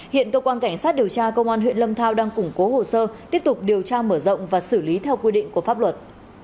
hiện công an huyện lâm thao đang củng cố hồ sơ tiếp tục điều tra mở rộng và xử lý theo quy định của pháp luật